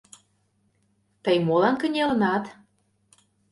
— Тый молан кынелынат?